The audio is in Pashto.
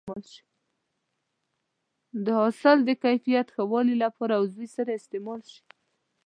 د حاصل د کیفیت ښه والي لپاره عضوي سرې استعمال شي.